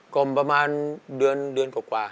ลมประมาณเดือนกว่า